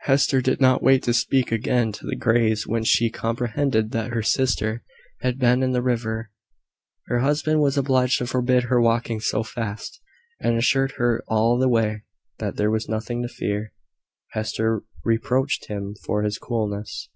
Hester did not wait to speak again to the Greys when she comprehended that her sister had been in the river. Her husband was obliged to forbid her walking so fast, and assured her all the way that there was nothing to fear. Hester reproached him for his coolness.